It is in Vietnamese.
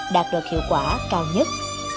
đạt được hiệu quả cao nhất